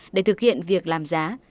để thực hiện việc làm giá